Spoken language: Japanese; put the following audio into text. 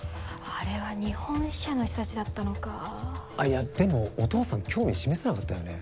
あれは日本支社の人達だったのかいやでもお父さん興味示さなかったよね